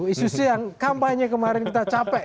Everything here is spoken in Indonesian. isu isu yang kampanye kemarin kita capek